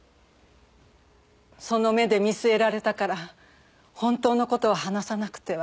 その目で見据えられたから本当の事を話さなくては。